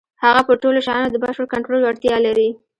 هغه پر ټولو شيانو د بشپړ کنټرول وړتيا لري.